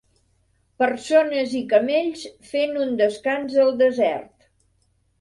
Persones i camells fent un descans al desert.